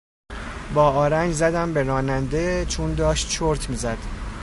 با آرنج زدم به راننده چون داشت چرت میزد.